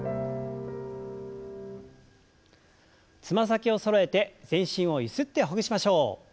つま先をそろえて全身をゆすってほぐしましょう。